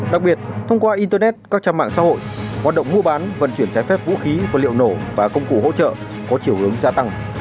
đặc biệt thông qua internet các trang mạng xã hội hoạt động mua bán vận chuyển trái phép vũ khí vật liệu nổ và công cụ hỗ trợ có chiều hướng gia tăng